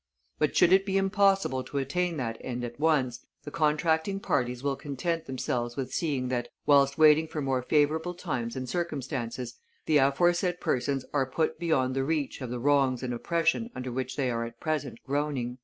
But, should it be impossible to attain that end at once, the contracting parties will content themselves with seeing that, whilst waiting for more favorable times and circumstances, the aforesaid persons are put beyond reach of the wrongs and oppression under which they are at present groaning."